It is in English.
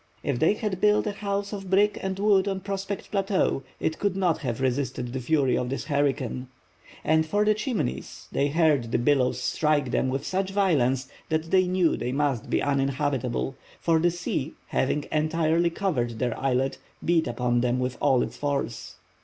If they had built a house of brick and wood on Prospect Plateau, it could not have resisted the fury of this hurricane. As for the Chimneys, they heard the billows strike them with such violence that they knew they must be uninhabitable, for the sea, having entirely covered their islet, beat upon them with all its force.